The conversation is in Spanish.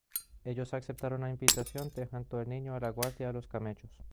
Ellos aceptaron la invitación, dejando el niño a la guardia de los camellos.